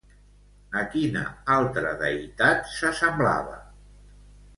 A quina altra deïtat s'assemblava?